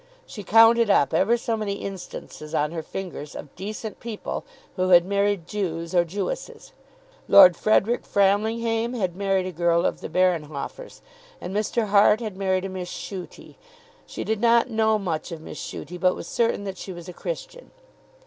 She counted up ever so many instances on her fingers of "decent people" who had married Jews or Jewesses. Lord Frederic Framlinghame had married a girl of the Berrenhoffers; and Mr. Hart had married a Miss Chute. She did not know much of Miss Chute, but was certain that she was a Christian.